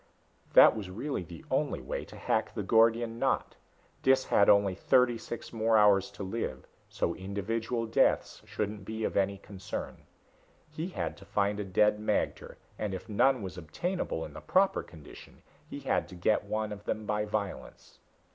That was really the only way to hack the Gordian knot. Dis had only thirty six more hours to live, so individual deaths shouldn't be of any concern. He had to find a dead magter, and if none was obtainable in the proper condition he had to get one of them by violence.